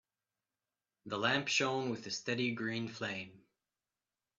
The lamp shone with a steady green flame.